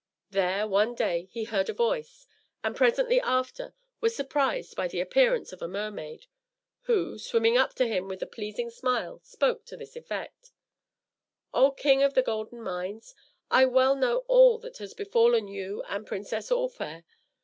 There, one day, he heard a voice, and presently after was surprised by the appearance of a mermaid, who, swimming up to him with a pleasing smile, spoke to this effect: "O King of the Golden Mines, I well know all that has befallen you and the Princess All Fair.